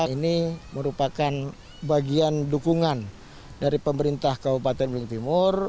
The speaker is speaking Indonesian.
ini merupakan bagian dukungan dari pemerintah kabupaten belitung timur